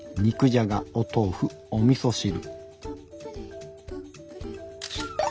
肉じゃがお豆腐おみそ汁。